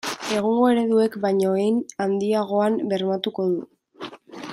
Egungo ereduek baino hein handiagoan bermatuko du.